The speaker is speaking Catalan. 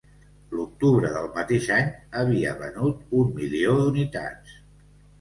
L'octubre del mateix any havia venut un milió d'unitats.